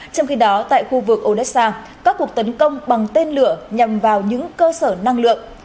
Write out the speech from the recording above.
trong khi đó tại khu vực onessa các cuộc tấn công bằng tên lửa nhằm vào những cơ sở năng lượng